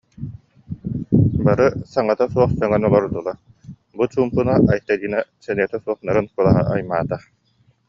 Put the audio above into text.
Бары саҥата суох сөҥөн олордулар, бу чуумпуну Айталина сэниэтэ суох нарын куолаһа аймаата: